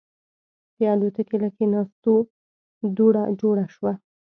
د الوتکې له کېناستو دوړه جوړه شوه.